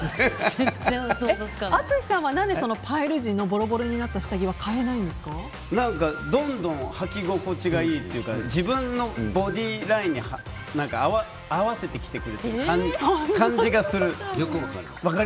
淳さんは何でパイル地のボロボロになったどんどんはき心地がいいというか自分のボディーラインに合わせてきてくれてる感じがする。